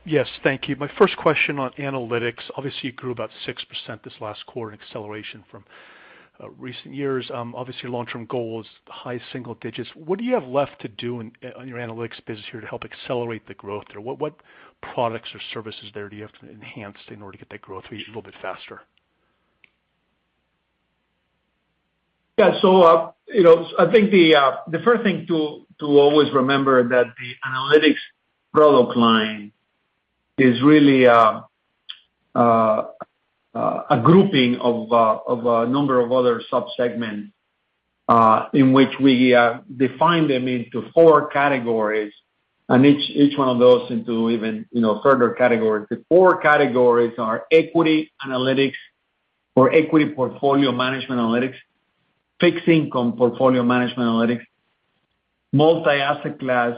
Yes. Thank you. My first question on analytics. Obviously you grew about 6% this last quarter in acceleration from recent years. Obviously long-term goal is high single digits. What do you have left to do in on your analytics business here to help accelerate the growth? Or what products or services there do you have to enhance in order to get that growth a little bit faster? You know, I think the first thing to always remember that the analytics product line is really a grouping of a number of other sub-segments in which we define them into four categories and each one of those into even further categories. The four categories are equity analytics or equity portfolio management analytics, fixed income portfolio management analytics, multi-asset class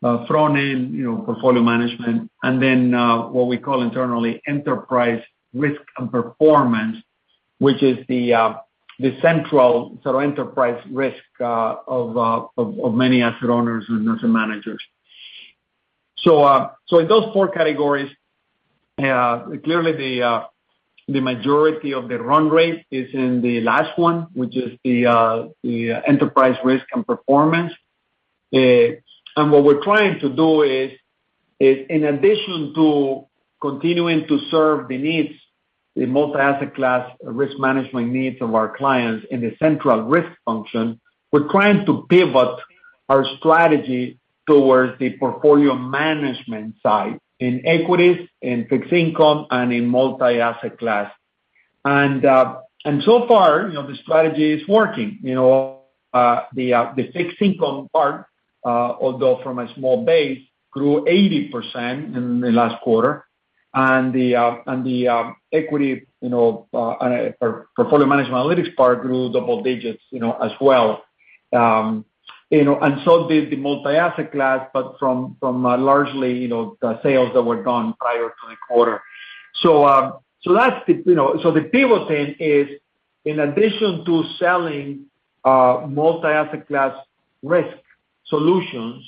front end portfolio management, and what we call internally enterprise risk and performance, which is the central sort of enterprise risk of many asset owners and asset managers. In those four categories, clearly the majority of the run rate is in the last one, which is the enterprise risk and performance. What we're trying to do is in addition to continuing to serve the needs, the multi-asset class risk management needs of our clients in the central risk function, we're trying to pivot our strategy towards the portfolio management side in equities, in fixed income, and in multi-asset class. So far, you know, the strategy is working. You know, the fixed income part, although from a small base, grew 80% in the last quarter. The equity or portfolio management analytics part grew double digits, you know, as well. So did the multi-asset class, but from largely, you know, the sales that were done prior to the quarter. So that's the... You know, the pivot thing is, in addition to selling multi-asset class risk solutions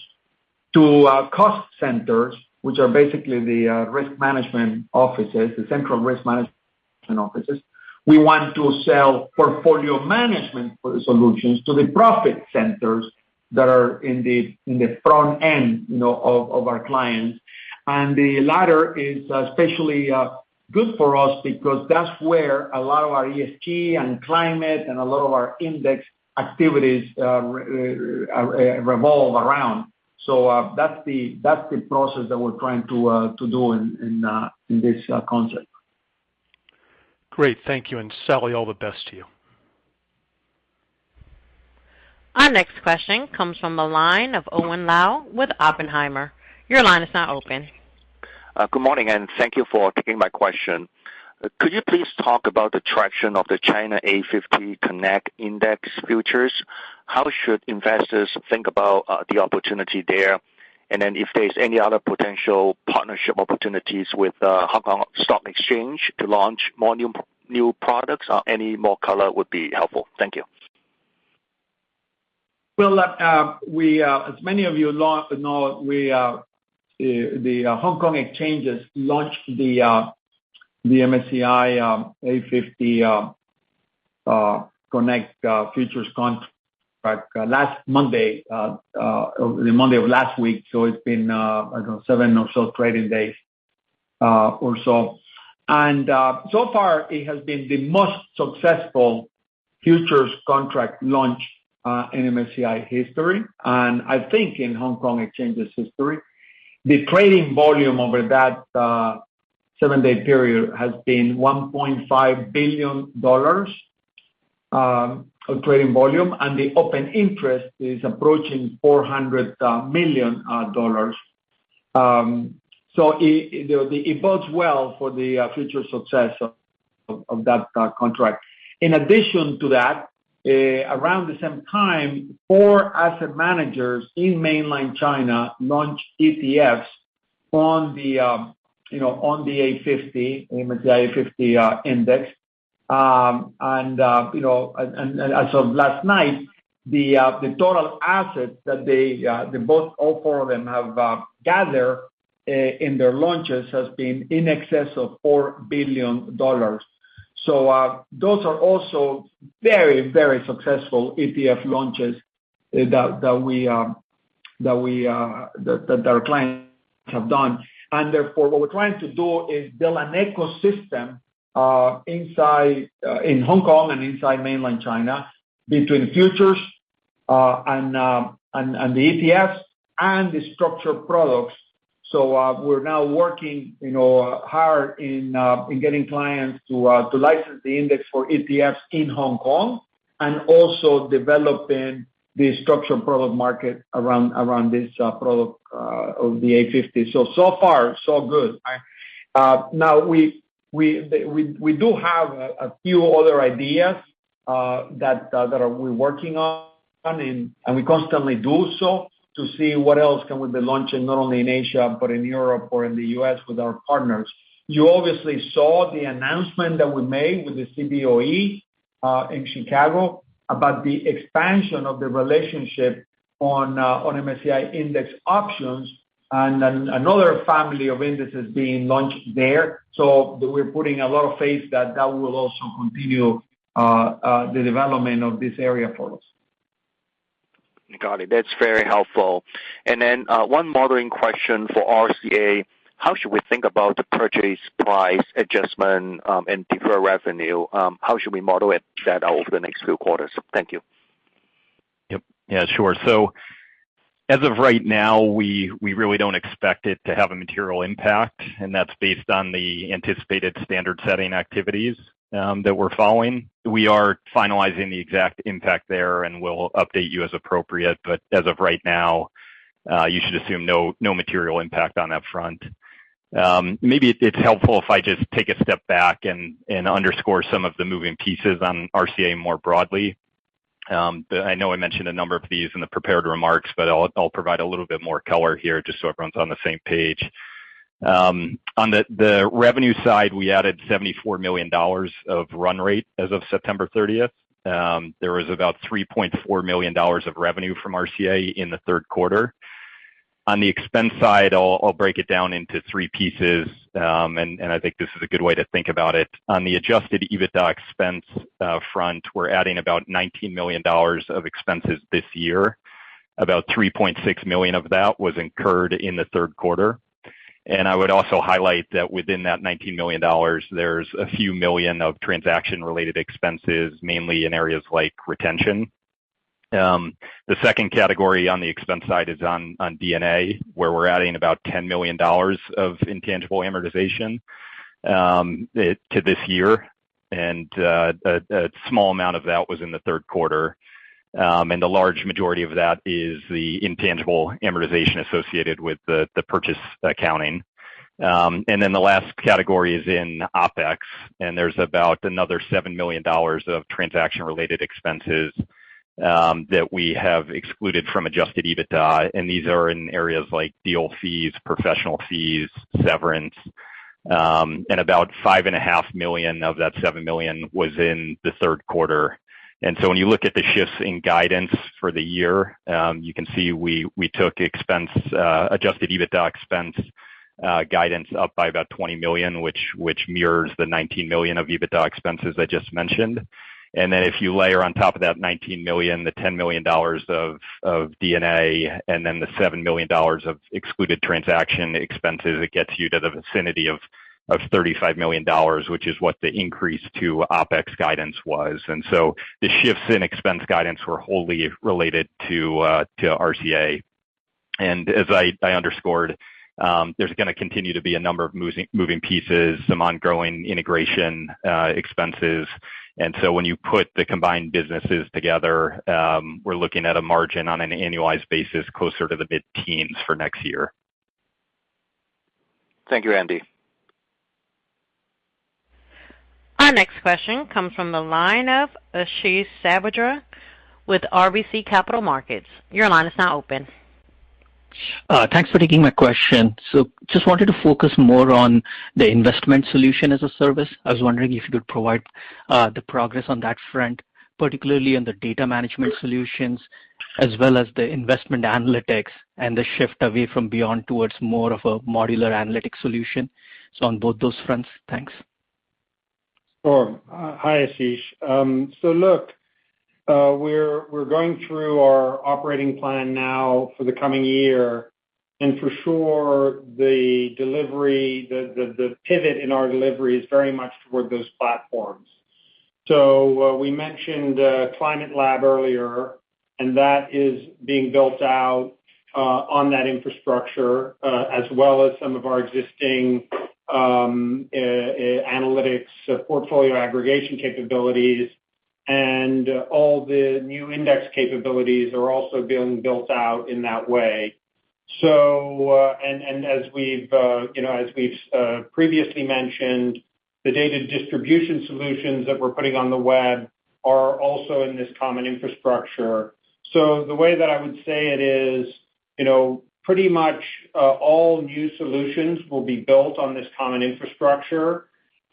to cost centers, which are basically the risk management offices, the central risk management offices, we want to sell portfolio management solutions to the profit centers that are in the front end, you know, of our clients. The latter is especially good for us because that's where a lot of our ESG and climate and a lot of our index activities revolve around. That's the process that we're trying to do in this concept. Great. Thank you. Salli, all the best to you. Our next question comes from the line of Owen Lau with Oppenheimer. Your line is now open. Good morning, and thank you for taking my question. Could you please talk about the traction of the MSCI China A 50 Connect Index Futures? How should investors think about the opportunity there? If there's any other potential partnership opportunities with Hong Kong Stock Exchange to launch more new products, any more colour would be helpful. Thank you. Well, as many of you know, the Hong Kong Exchanges launched the MSCI A50 Connect Futures Contract last Monday, the Monday of last week, so it's been, I don't know, seven or so trading days or so. So far it has been the most successful futures contract launch in MSCI history, and I think in Hong Kong Exchanges history. The trading volume over that seven-day period has been $1.5 billion of trading volume, and the open interest is approaching $400 million. It bodes well for the future success of that contract. In addition to that, around the same time, four asset managers in mainland China launched ETFs on the, you know, on the A50, the MSCI A50 index. As of last night, the total assets that all four of them have gathered in their launches has been in excess of $4 billion. Those are also very, very successful ETF launches that our clients have done. Therefore, what we're trying to do is build an ecosystem inside, in Hong Kong and inside mainland China between futures and the ETFs and the structured products. We're now working, you know, hard in getting clients to license the index for ETFs in Hong Kong and also developing the structured product market around this product of the A50. So far, so good. Now we do have a few other ideas that we're working on, and we constantly do so to see what else can we be launching not only in Asia but in Europe or in the U.S. with our partners. You obviously saw the announcement that we made with the Cboe in Chicago about the expansion of the relationship on MSCI index options and another family of indices being launched there. We're putting a lot of faith that that will also continue the development of this area for us. Got it. That's very helpful. One modelling question for RCA. How should we think about the purchase price adjustment, and deferred revenue? How should we model that out over the next few quarters? Thank you. Yeah, sure. As of right now, we really don't expect it to have a material impact, and that's based on the anticipated standard-setting activities that we're following. We are finalizing the exact impact there, and we'll update you as appropriate. As of right now, you should assume no material impact on that front. Maybe it's helpful if I just take a step back and underscore some of the moving pieces on RCA more broadly. I know I mentioned a number of these in the prepared remarks, but I'll provide a little bit more colour here just so everyone's on the same page. On the revenue side, we added $74 million of run rate as of September 30. There was about $3.4 million of revenue from RCA in the third quarter. On the expense side, I'll break it down into three pieces, and I think this is a good way to think about it. On the adjusted EBITDA expense front, we're adding about $19 million of expenses this year. About $3.6 million of that was incurred in the third quarter. I would also highlight that within that $19 million, there's a few million of transaction-related expenses, mainly in areas like retention. The second category on the expense side is on D&A, where we're adding about $10 million of intangible amortization to this year, and a small amount of that was in the third quarter. The large majority of that is the intangible amortization associated with the purchase accounting. The last category is in Opex, and there's about another $7 million of transaction-related expenses that we have excluded from adjusted EBITDA, and these are in areas like deal fees, professional fees, severance, and about $5.5 million of that $7 million was in the third quarter. When you look at the shifts in guidance for the year, you can see we took adjusted EBITDA expense guidance up by about $20 million, which mirrors the $19 million of EBITDA expenses I just mentioned. If you layer on top of that $ 19 million, the $10 million of D&A and then the $7 million of excluded transaction expenses, it gets you to the vicinity of. Of $35 million, which is what the increase to OpEx guidance was. The shifts in expense guidance were wholly related to RCA. As I underscored, there's gonna continue to be a number of moving pieces, some ongoing integration expenses. When you put the combined businesses together, we're looking at a margin on an annualized basis closer to the mid-teens for next year. Thank you, Andy. Our next question comes from the line of Ashish Sabadra with RBC Capital Markets. Your line is now open. Thanks for taking my question. Just wanted to focus more on the investment solution as a service. I was wondering if you could provide the progress on that front, particularly in the data management solutions as well as the investment analytics and the shift away from beyond towards more of a modular analytic solution. On both those fronts, thanks. Sure. Hi, Ashish. Look, we're going through our operating plan now for the coming year, and for sure, the delivery, the pivot in our delivery is very much toward those platforms. We mentioned Climate Lab earlier, and that is being built out on that infrastructure as well as some of our existing analytics portfolio aggregation capabilities, and all the new index capabilities are also being built out in that way. As we've you know, previously mentioned, the data distribution solutions that we're putting on the web are also in this common infrastructure. The way that I would say it is, you know, pretty much all new solutions will be built on this common infrastructure.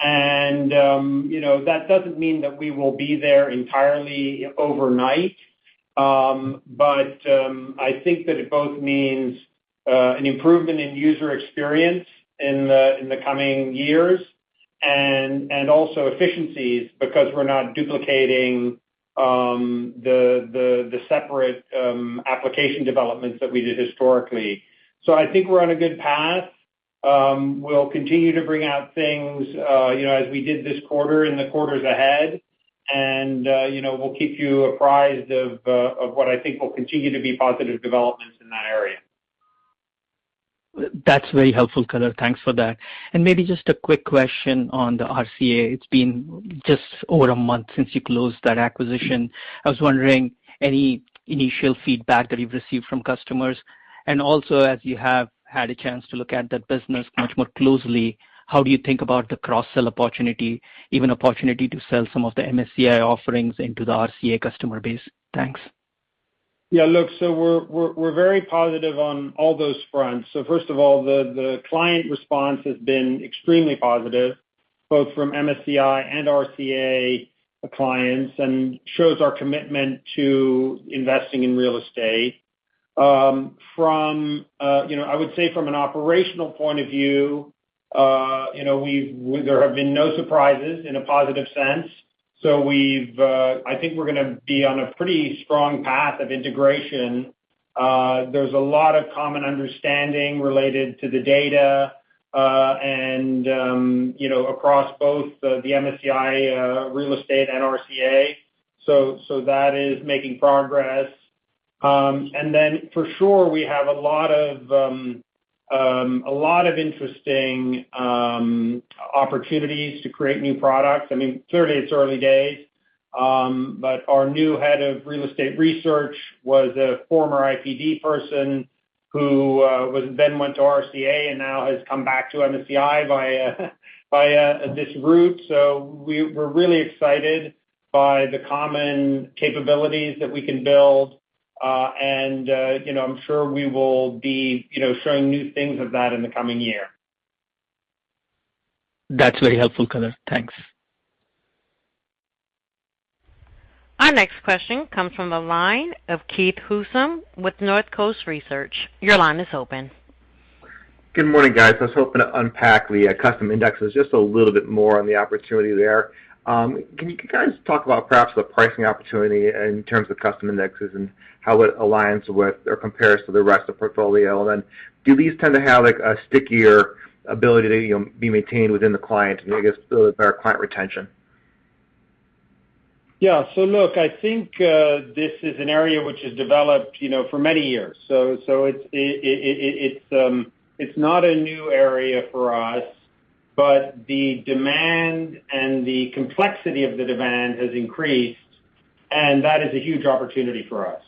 You know, that doesn't mean that we will be there entirely overnight. I think that it both means an improvement in user experience in the coming years and also efficiencies because we're not duplicating the separate application developments that we did historically. I think we're on a good path. We'll continue to bring out things, you know, as we did this quarter in the quarters ahead. You know, we'll keep you apprised of what I think will continue to be positive developments in that area. That's very helpful, colour. Thanks for that. Maybe just a quick question on the RCA. It's been just over a month since you closed that acquisition. I was wondering any initial feedback that you've received from customers. And also, as you have had a chance to look at that business much more closely, how do you think about the cross-sell opportunity, even opportunity to sell some of the MSCI offerings into the RCA customer base? Thanks. Yeah. Look, we're very positive on all those fronts. First of all, the client response has been extremely positive, both from MSCI and RCA clients, and shows our commitment to investing in real estate. From you know, I would say from an operational point of view, you know, there have been no surprises in a positive sense. I think we're gonna be on a pretty strong path of integration. There's a lot of common understanding related to the data, and you know, across both the MSCI Real Estate and RCA. That is making progress. And then for sure, we have a lot of interesting opportunities to create new products. I mean, clearly, it's early days, but our new head of real estate research was a former IPD person who then went to RCA and now has come back to MSCI via this route. We're really excited by the common capabilities that we can build. You know, I'm sure we will be, you know, showing new things of that in the coming year. That's very helpful, Pettit. Thanks. Our next question comes from the line of Keith Housum with Northcoast Research. Your line is open. Good morning, guys. I was hoping to unpack the custom indexes just a little bit more on the opportunity there. Can you guys talk about perhaps the pricing opportunity in terms of custom indexes and how it aligns with or compares to the rest of the portfolio? Do these tend to have, like, a stickier ability to, you know, be maintained within the client, and I guess, build better client retention? Yeah. Look, I think this is an area which has developed, you know, for many years. It's not a new area for us, but the demand and the complexity of the demand has increased, and that is a huge opportunity for us.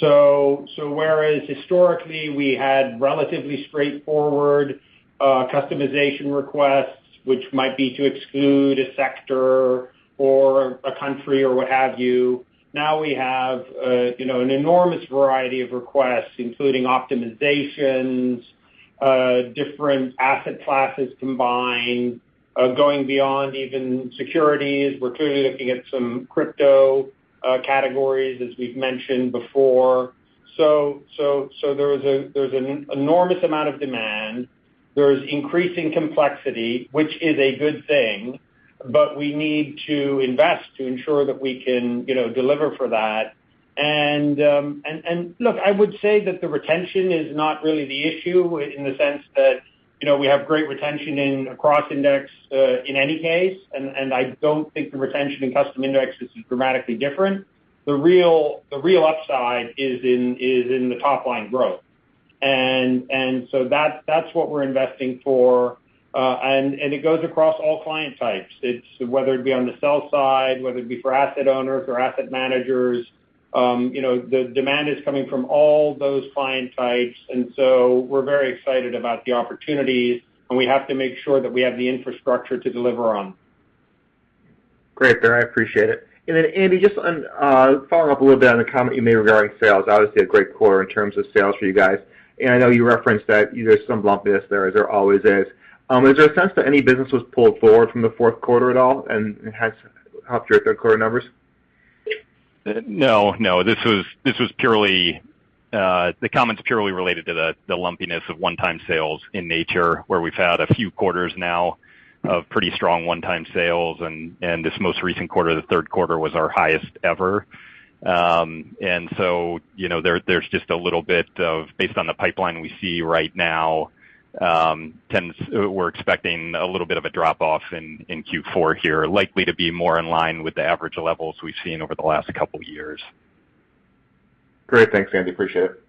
Whereas historically, we had relatively straightforward customization requests, which might be to exclude a sector or a country or what have you, now we have, you know, an enormous variety of requests, including optimizations, different asset classes combined, going beyond even securities. We're clearly looking at some crypto categories, as we've mentioned before. There's an enormous amount of demand. There's increasing complexity, which is a good thing, but we need to invest to ensure that we can, you know, deliver for that. I would say that the retention is not really the issue in the sense that, you know, we have great retention in across index, in any case, and I don't think the retention in custom index is dramatically different. The real upside is in the top line growth. That's what we're investing for. It goes across all client types. It's whether it be on the sell side, whether it be for asset owners or asset managers, you know, the demand is coming from all those client types. We're very excited about the opportunities, and we have to make sure that we have the infrastructure to deliver on. Great, Baer. I appreciate it. Andy, just on, follow up a little bit on the comment you made regarding sales. Obviously a great quarter in terms of sales for you guys. I know you referenced that there's some lumpiness there, as there always is. Is there a sense that any business was pulled forward from the fourth quarter at all and has helped your third quarter numbers? No, no. This was purely the comment's purely related to the lumpiness of one-time sales in nature, where we've had a few quarters now of pretty strong one-time sales. This most recent quarter, the third quarter, was our highest ever. There's just a little bit, based on the pipeline we see right now, we're expecting a little bit of a drop off in Q4 here, likely to be more in line with the average levels we've seen over the last couple years. Great. Thanks, Andy. Appreciate it.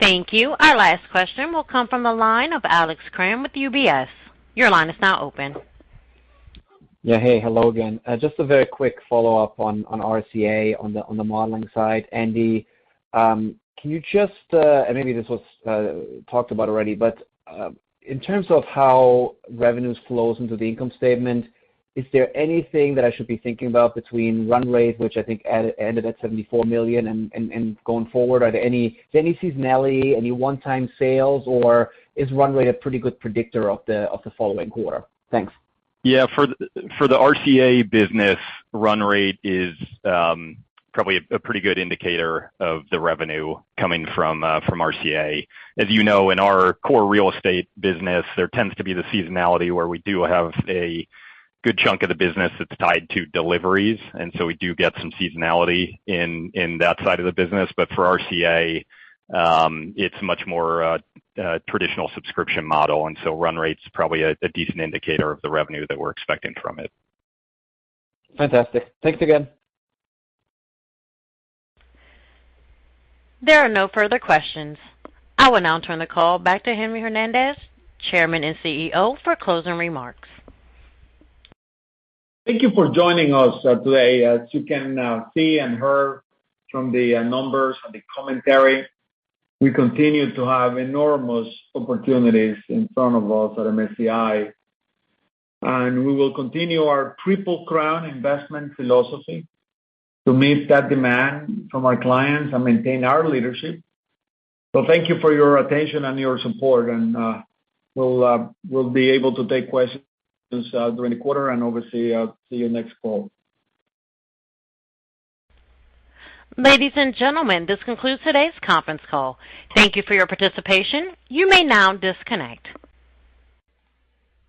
Thank you. Our last question will come from the line of Alex Kramm with UBS. Your line is now open. Yeah. Hey, hello again. Just a very quick follow-up on RCA on the modelling side. Andy, can you just, and maybe this was talked about already. In terms of how revenues flows into the income statement, is there anything that I should be thinking about between run rate, which I think ended at $74 million, and going forward, are there any seasonality, any one time sales, or is run rate a pretty good predictor of the following quarter? Thanks. Yeah. For the RCA business, run rate is probably a pretty good indicator of the revenue coming from RCA. As you know, in our core real estate business, there tends to be the seasonality where we do have a good chunk of the business that's tied to deliveries, and so we do get some seasonality in that side of the business. For RCA, it's much more traditional subscription model, and so run rate's probably a decent indicator of the revenue that we're expecting from it. Fantastic. Thanks again. There are no further questions. I will now turn the call back to Henry Fernandez, Chairman and CEO, for closing remarks. Thank you for joining us today. As you can see and hear from the numbers and the commentary, we continue to have enormous opportunities in front of us at MSCI. We will continue our Triple Crown investment philosophy to meet that demand from our clients and maintain our leadership. Thank you for your attention and your support, and we'll be able to take questions during the quarter and obviously, I'll see you next call. Ladies and gentlemen, this concludes today's conference call. Thank you for your participation. You may now disconnect.